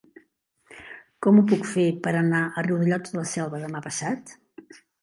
Com ho puc fer per anar a Riudellots de la Selva demà passat?